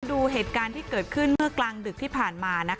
ดูเหตุการณ์ที่เกิดขึ้นเมื่อกลางดึกที่ผ่านมา